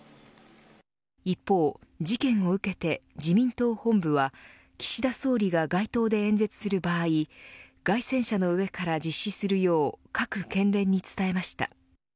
一方、事件を受けて自民党本部は岸田総理が街頭で演説する場合街宣車の上から実施するよう各県連に伝えました。